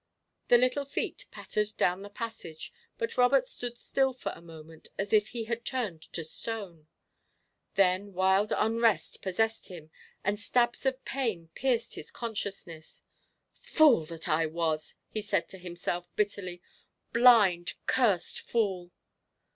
The little feet pattered down the passage, but Robert stood still for a moment, as if he had turned to stone. Then wild unrest possessed him and stabs of pain pierced his consciousness. "Fool that I was!" he said to himself, bitterly; "blind, cursed fool!"